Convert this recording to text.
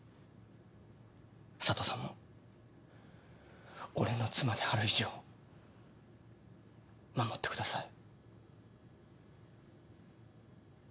佐都さんも俺の妻である以上守ってください。